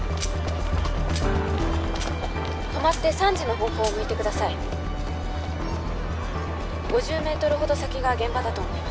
止まって３時の方向を向いてください５０メートルほど先が現場だと思います